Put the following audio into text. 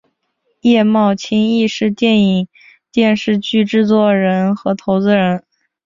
叶茂菁亦是电影电视剧制片人和投资人。